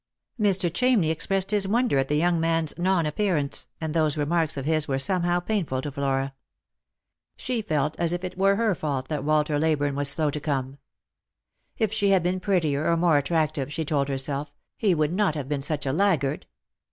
Mr. Chamney expressed his wonder at the young man's non appearance, and those remarks of his were somehow painful to Flora. She felt as if it were her fault that Walter Leyburne was so slow to come. If she had been prettier or more attrac tive, she told herself, he would not have been such a laggard.